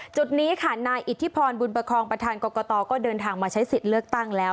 จุดนี้ค่ะนายอิทธิพรบุญประคองประธานกรกตก็เดินทางมาใช้สิทธิ์เลือกตั้งแล้ว